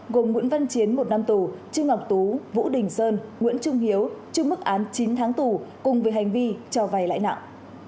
gồm nguyễn văn chiến một năm tù trương ngọc tú vũ đình sơn nguyễn trung hiếu chịu mức án chín tháng tù cùng với hành vi cho vay lãi nặng